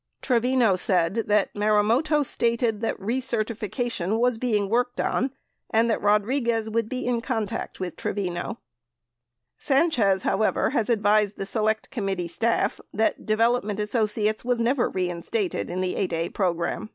Tre vino said Marumoto stated that recertification was being worked on and that Rodriguez would be in contact with Trevino. Sanchez, how ever, has advised the Select Committee staff that Development Asso ciates was never reinstated in the 8(a) program.